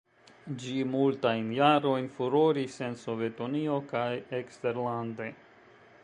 Ĝi multajn jarojn furoris en Sovetunio kaj eksterlande.